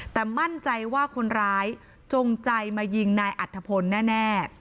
แต่มั่นใจว่าคนร้ายจงใจมายิงนายอัฐพลแน่